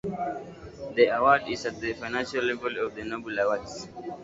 The award is at the financial level of the Nobel awards.